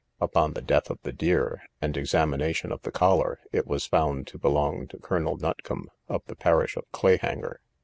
Upon the death of the deer and examination of the collar, it was found to belong to Colonel Nutcombe, of the parish of Clayhanger.